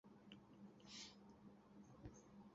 নাম যেমন অদ্ভুত, জায়গাও তেমন জঙ্গুলে।